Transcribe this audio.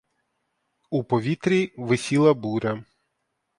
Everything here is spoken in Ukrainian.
У повітрі висіла буря.